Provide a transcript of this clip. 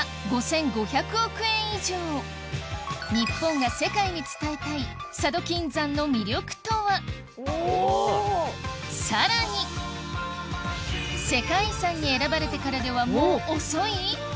日本が世界に伝えたいさらに世界遺産に選ばれてからではもう遅い？